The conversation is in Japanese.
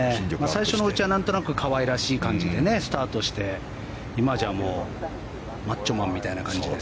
最初のうちはなんとなく可愛らしい感じでスタートして今じゃマッチョマンみたいな感じで。